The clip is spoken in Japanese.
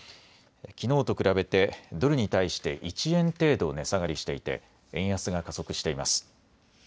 きのうと比べてドルに対して１円程度、値下がりしていて円安が加速しています。